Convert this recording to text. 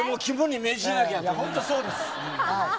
本当にそうです。